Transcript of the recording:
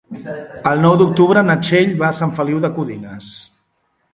El nou d'octubre na Txell va a Sant Feliu de Codines.